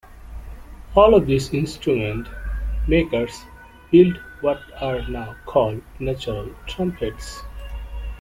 All of these instrument makers built what are now called natural trumpets.